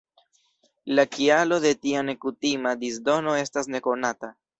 La kialo de tia nekutima disdono estas nekonata.